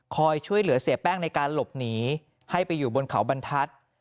ช่วยเหลือเสียแป้งในการหลบหนีให้ไปอยู่บนเขาบรรทัศน์